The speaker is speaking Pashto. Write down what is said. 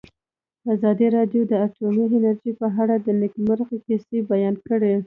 ازادي راډیو د اټومي انرژي په اړه د نېکمرغۍ کیسې بیان کړې.